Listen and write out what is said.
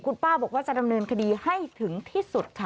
คุณป้าบอกว่าจะดำเนินคดีให้ถึงที่สุดค่ะ